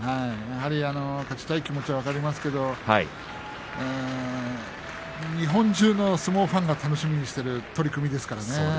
勝ちたい気持ちは分かりますが日本中の相撲ファンが楽しみにしている取組ですからね。